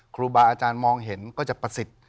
ครูบาอาจารย์มองเห็นก็จะประสิทธิ์